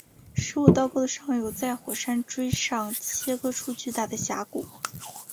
十五道沟的上游在火山锥上切割出巨大的峡谷。